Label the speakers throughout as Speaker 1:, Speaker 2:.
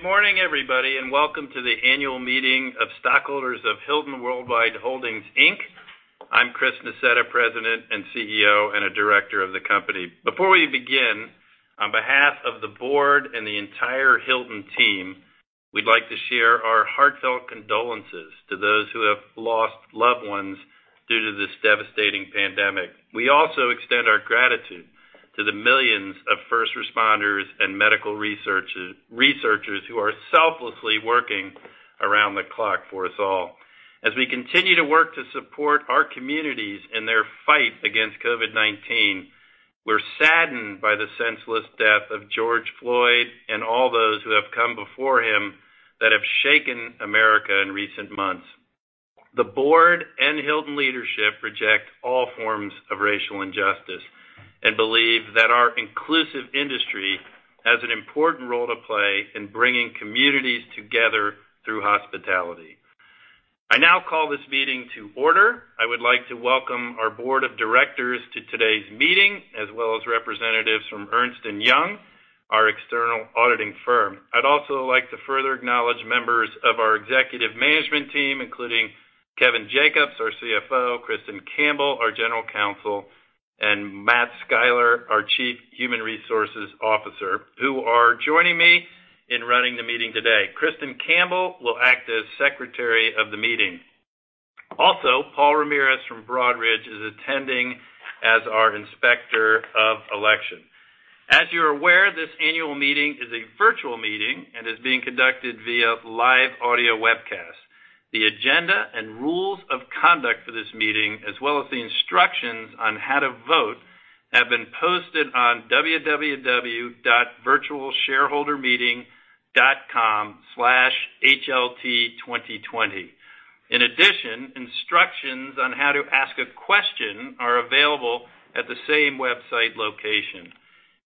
Speaker 1: Good morning, everybody, welcome to the annual meeting of stockholders of Hilton Worldwide Holdings Inc. I'm Chris Nassetta, President and CEO, and a director of the company. Before we begin, on behalf of the board and the entire Hilton team, we'd like to share our heartfelt condolences to those who have lost loved ones due to this devastating pandemic. We also extend our gratitude to the millions of first responders and medical researchers who are selflessly working around the clock for us all. As we continue to work to support our communities in their fight against COVID-19, we're saddened by the senseless death of George Floyd and all those who have come before him that have shaken America in recent months. The board and Hilton leadership reject all forms of racial injustice and believe that our inclusive industry has an important role to play in bringing communities together through hospitality. I now call this meeting to order. I would like to welcome our board of directors to today's meeting, as well as representatives from Ernst & Young, our external auditing firm. I'd also like to further acknowledge members of our executive management team, including Kevin Jacobs, our CFO, Kristin Campbell, our General Counsel, and Matt Schuyler, our Chief Human Resources Officer, who are joining me in running the meeting today. Kristin Campbell will act as Secretary of the meeting. Paul Ramirez from Broadridge is attending as our Inspector of Election. As you're aware, this annual meeting is a virtual meeting and is being conducted via live audio webcast. The agenda and rules of conduct for this meeting, as well as the instructions on how to vote, have been posted on www.virtualshareholdermeeting.com/hlt2020. In addition, instructions on how to ask a question are available at the same website location.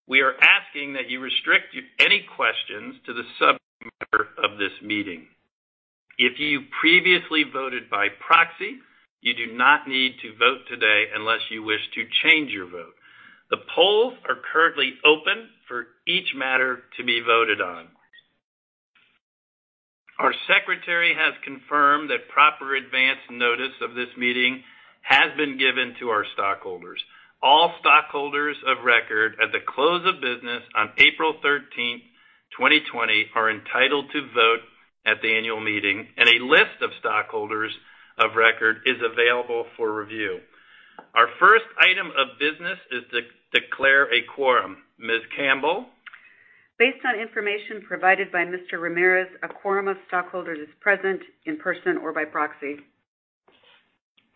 Speaker 1: We are asking that you restrict any questions to the subject matter of this meeting. If you previously voted by proxy, you do not need to vote today unless you wish to change your vote. The polls are currently open for each matter to be voted on. Our Secretary has confirmed that proper advance notice of this meeting has been given to our stockholders. All stockholders of record at the close of business on April 13th, 2020, are entitled to vote at the annual meeting, and a list of stockholders of record is available for review. Our first item of business is to declare a quorum. Ms. Campbell?
Speaker 2: Based on information provided by Mr. Ramirez, a quorum of stockholders is present in person or by proxy.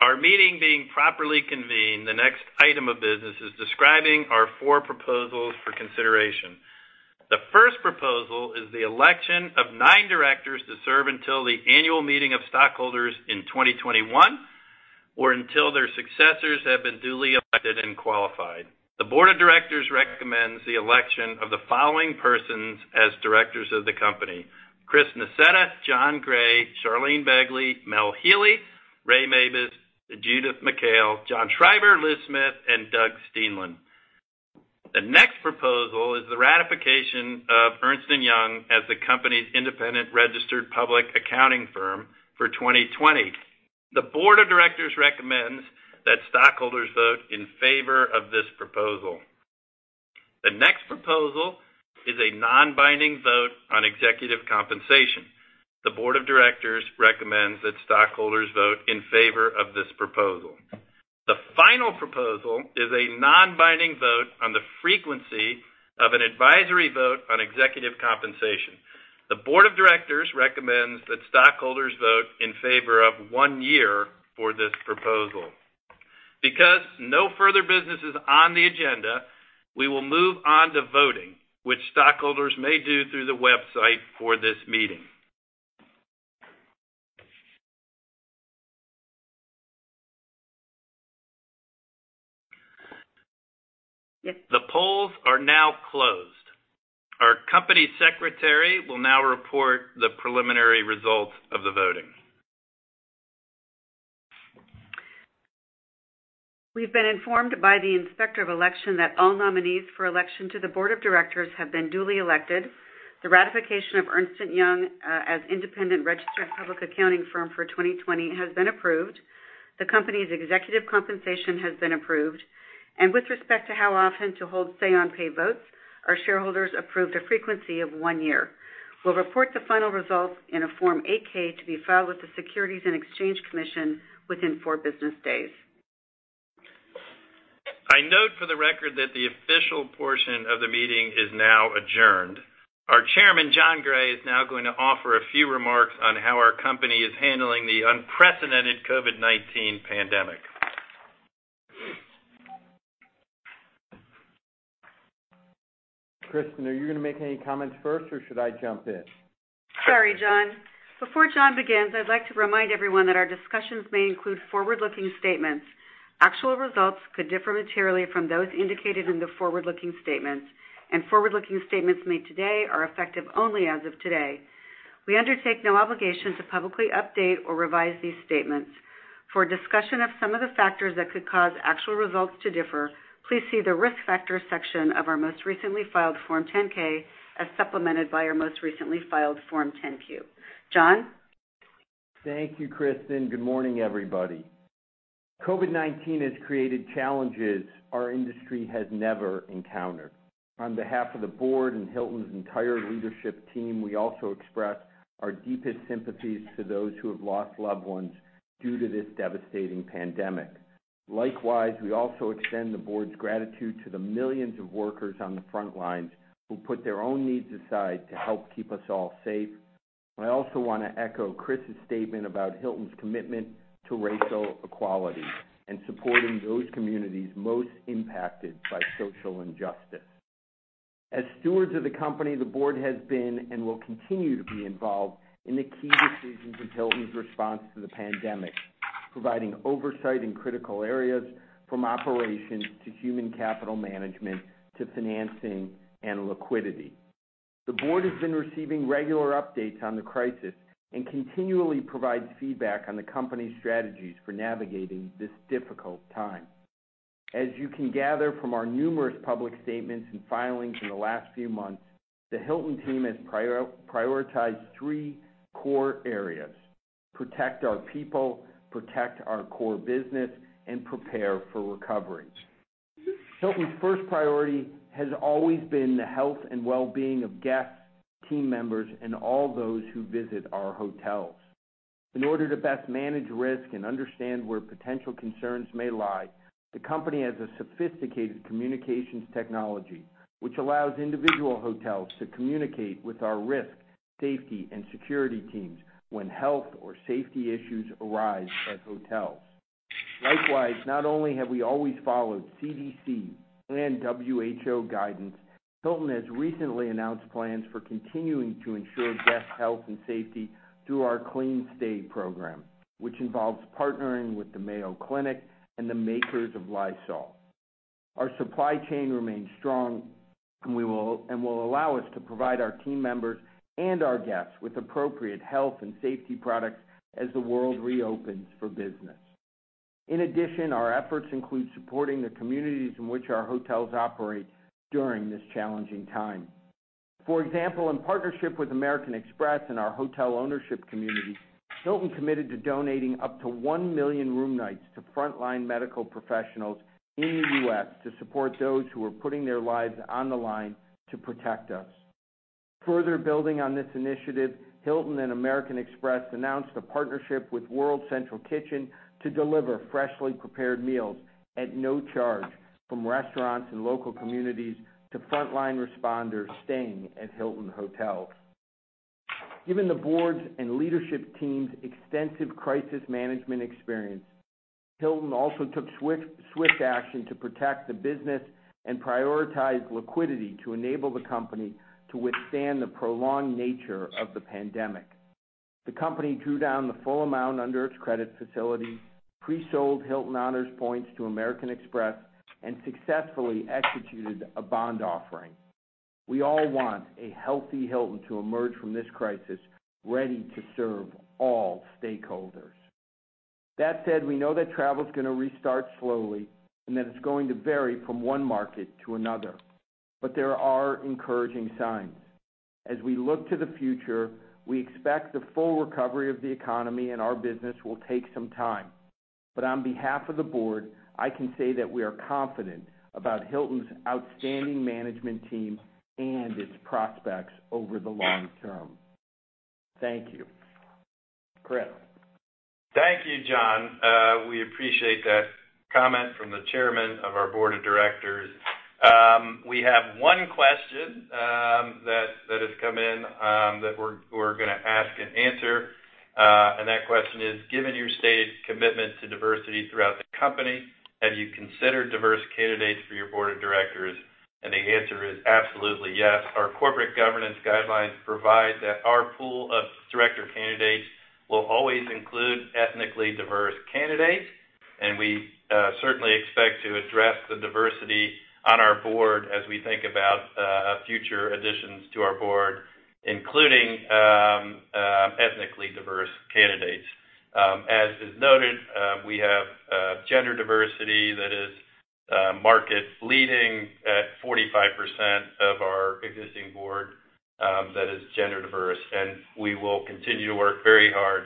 Speaker 1: Our meeting being properly convened, the next item of business is describing our four proposals for consideration. The first proposal is the election of nine directors to serve until the annual meeting of stockholders in 2021, or until their successors have been duly elected and qualified. The board of directors recommends the election of the following persons as directors of the company: Chris Nassetta, John Gray, Charlene Begley, Mel Healey, Ray Mabus, Judith McHale, John Schreiber, Liz Smith, and Doug Steenland. The next proposal is the ratification of Ernst & Young as the company's independent registered public accounting firm for 2020. The board of directors recommends that stockholders vote in favor of this proposal. The next proposal is a non-binding vote on executive compensation. The board of directors recommends that stockholders vote in favor of this proposal. No further business is on the agenda, we will move on to voting, which stockholders may do through the website for this meeting. The polls are now closed. Our company secretary will now report the preliminary results of the voting.
Speaker 2: We've been informed by the inspector of election that all nominees for election to the board of directors have been duly elected. The ratification of Ernst & Young as independent registered public accounting firm for 2020 has been approved. The company's executive compensation has been approved. With respect to how often to hold say on pay votes, our shareholders approved a frequency of one year. We'll report the final results in a Form 8-K to be filed with the Securities and Exchange Commission within four business days.
Speaker 1: I note for the record that the official portion of the meeting is now adjourned. Our chairman, John Gray, is now going to offer a few remarks on how our company is handling the unprecedented COVID-19 pandemic.
Speaker 3: Kristin, are you going to make any comments first, or should I jump in?
Speaker 2: Sorry, John. Before John begins, I'd like to remind everyone that our discussions may include forward-looking statements. Actual results could differ materially from those indicated in the forward-looking statements. Forward-looking statements made today are effective only as of today. We undertake no obligation to publicly update or revise these statements. For a discussion of some of the factors that could cause actual results to differ, please see the Risk Factors section of our most recently filed Form 10-K, as supplemented by our most recently filed Form 10-Q. John?
Speaker 3: Thank you, Kristin. Good morning, everybody. COVID-19 has created challenges our industry has never encountered. On behalf of the board and Hilton's entire leadership team, we also express our deepest sympathies to those who have lost loved ones due to this devastating pandemic. Likewise, we also extend the board's gratitude to the millions of workers on the front lines who put their own needs aside to help keep us all safe. I also want to echo Chris's statement about Hilton's commitment to racial equality and supporting those communities most impacted by social injustice. As stewards of the company, the board has been, and will continue to be involved in the key decisions in Hilton's response to the pandemic, providing oversight in critical areas from operations to human capital management to financing and liquidity. The board has been receiving regular updates on the crisis and continually provides feedback on the company's strategies for navigating this difficult time. As you can gather from our numerous public statements and filings in the last few months, the Hilton team has prioritized three core areas: protect our people, protect our core business, and prepare for recovery. Hilton's first priority has always been the health and wellbeing of guests, team members, and all those who visit our hotels. In order to best manage risk and understand where potential concerns may lie, the company has a sophisticated communications technology, which allows individual hotels to communicate with our risk, safety, and security teams when health or safety issues arise at hotels. Likewise, not only have we always followed CDC and WHO guidance, Hilton has recently announced plans for continuing to ensure guest health and safety through our Hilton CleanStay program, which involves partnering with the Mayo Clinic and the makers of Lysol. Our supply chain remains strong and will allow us to provide our team members and our guests with appropriate health and safety products as the world reopens for business. In addition, our efforts include supporting the communities in which our hotels operate during this challenging time. For example, in partnership with American Express and our hotel ownership community, Hilton committed to donating up to 1 million room nights to frontline medical professionals in the U.S. to support those who are putting their lives on the line to protect us. Further building on this initiative, Hilton and American Express announced a partnership with World Central Kitchen to deliver freshly prepared meals at no charge from restaurants and local communities to frontline responders staying at Hilton hotels. Given the board's and leadership team's extensive crisis management experience, Hilton also took swift action to protect the business and prioritize liquidity to enable the company to withstand the prolonged nature of the pandemic. The company drew down the full amount under its credit facility, pre-sold Hilton Honors points to American Express, and successfully executed a bond offering. We all want a healthy Hilton to emerge from this crisis, ready to serve all stakeholders. That said, we know that travel is going to restart slowly and that it's going to vary from one market to another. There are encouraging signs. As we look to the future, we expect the full recovery of the economy, and our business will take some time. On behalf of the board, I can say that we are confident about Hilton's outstanding management team and its prospects over the long term. Thank you. Chris.
Speaker 1: Thank you, John. We appreciate that comment from the chairman of our board of directors. We have one question that has come in, that we're going to ask and answer. That question is, "Given your stated commitment to diversity throughout the company, have you considered diverse candidates for your board of directors?" The answer is absolutely yes. Our corporate governance guidelines provide that our pool of director candidates will always include ethnically diverse candidates, and we certainly expect to address the diversity on our board as we think about future additions to our board, including ethnically diverse candidates. As is noted, we have gender diversity that is market leading at 45% of our existing board that is gender diverse, and we will continue to work very hard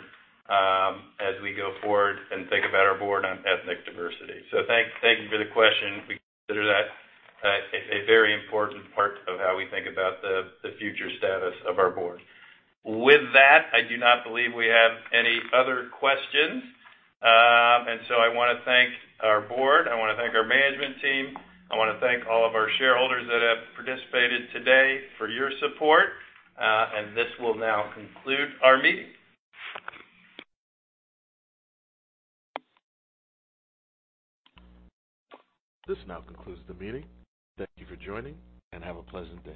Speaker 1: as we go forward and think about our board on ethnic diversity. Thank you for the question. We consider that a very important part of how we think about the future status of our board. With that, I do not believe we have any other questions. I want to thank our board. I want to thank our management team. I want to thank all of our shareholders that have participated today for your support. This will now conclude our meeting.
Speaker 2: This now concludes the meeting. Thank you for joining, and have a pleasant day.